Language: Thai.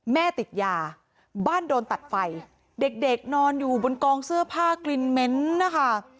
แม่ติดยาบ้านโดนตัดไฟเด็กเด็กนอนอยู่บนกองเสื้อผ้ากลิ่นเหม็นนะคะ